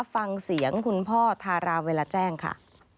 ฟังเสียงคุณพ่อทาราเวลาแจ้งค่ะ